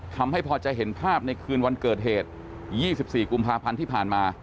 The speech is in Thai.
ทำให้พอจะเห็นภาพในคืนวันเกิดเหตุ๒๔กุมภาพันธ์ที่ผ่านมา